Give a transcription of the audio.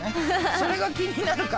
それが気になるかな。